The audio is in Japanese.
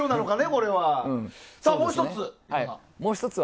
もう１つ。